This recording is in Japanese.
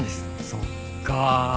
そっかぁ。